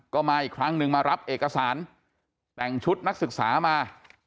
ก็มาอีกครั้งหนึ่งมารับเอกสารแต่งชุดนักศึกษามา